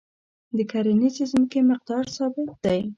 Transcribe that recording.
د کرنیزې ځمکې مقدار ثابت دی.